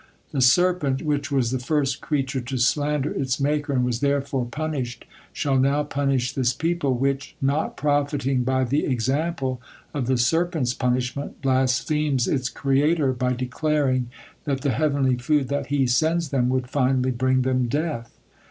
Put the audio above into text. The serpent, which was the first creature to slander its Maker and was therefore punished, shall now punish this people, which, not profiting by the example of the serpent's punishment, blasphemes its Creator by declaring that the heavenly food that He sends them would finally bring them death."